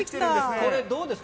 これ、どうですか？